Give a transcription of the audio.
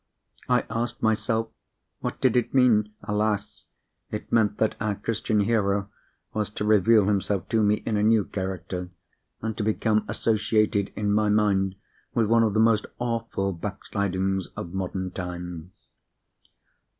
I asked myself what did it mean? Alas! it meant that our Christian Hero was to reveal himself to me in a new character, and to become associated in my mind with one of the most awful backslidings of modern times.